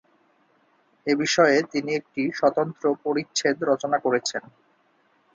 এ বিষয়ে তিনি একটি স্বতন্ত্র পরিচ্ছেদ রচনা করেছেন।